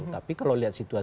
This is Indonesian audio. tapi kalau lihat situasi